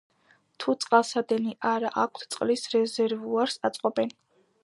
თუ წყალსადენი არა აქვთ, წყლის რეზერვუარს აწყობენ.